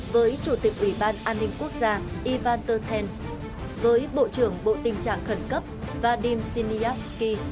với chủ tịch ủy ban an ninh quốc gia ivan tertent với bộ trưởng bộ tình trạng khẩn cấp vadim sinyavsky